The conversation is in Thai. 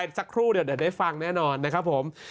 ไปมีจากคุณเดี๋ยวได้ฟังแน่นอนนะครับ